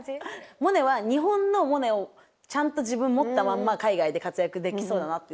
萌音は日本の萌音をちゃんと自分持ったまんま海外で活躍できそうだなって。